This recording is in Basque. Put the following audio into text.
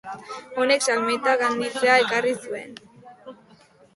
Honek salmentak handitzea ekarri zuen.